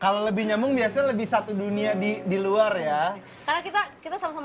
kalau lebih nyambung biasanya lebih satu dunia di di luar ya karena kita kita sama sama